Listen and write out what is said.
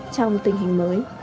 trong tình hình mới